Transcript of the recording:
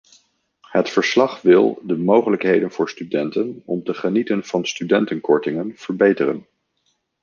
Het verslag wil de mogelijkheden voor studenten om te genieten van studentenkortingen verbeteren.